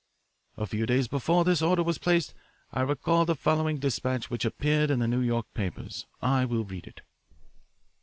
"A few days before this order was placed I recall the following despatch which appeared in the New York papers. I will read it.